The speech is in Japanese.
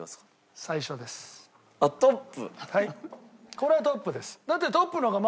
これはトップです。